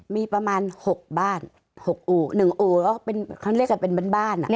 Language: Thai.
มีประมาณ๖บ้าน๖อู๋๑อู๋เขาเรียกแบบเป็นบุญบ้าน